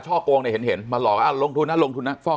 ช่อกงได้เห็นเห็นมาหลอกอ่าลงทุนน่ะลงทุนน่ะฟอก